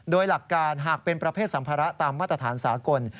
โดยหลักการหากเป็นประเภทสัมภาระตามมาตรฐานสากล